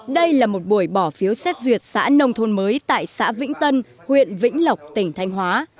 đây là một buổi bỏ phiếu xét duyệt xã nông thôn mới tại xã vĩnh tân huyện vĩnh lộc tỉnh thanh hóa